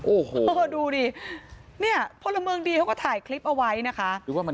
โอ้โหดูดินี่พลเมิงดีเขาก็ถ่ายคลิปเอาไว้นะคะ